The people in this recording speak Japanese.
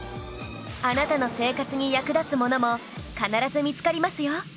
あなたの生活に役立つものも必ず見つかりますよ